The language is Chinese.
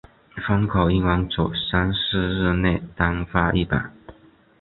凡考英文者三四日内单发一榜。